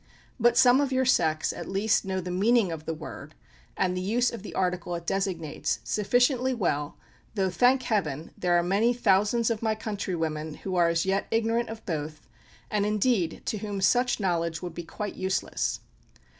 But some of your sex at least know the meaning of the word, and the use of the article it designates, sufficiently well, though, thank heaven! there are many thousands of my countrywomen who are as yet ignorant of both, and indeed to whom such knowledge would be quite useless.